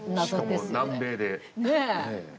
しかも南米で。